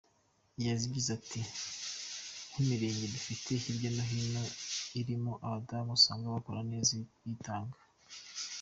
Yagize ati “Nk’imirenge dufite hirya no hino irimo abadamu usanga bakora neza, bitanga.